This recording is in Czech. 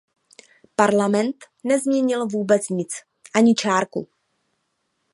Parlament nezměnil vůbec nic, ani čárku.